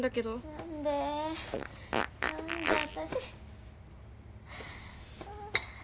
何で何で私。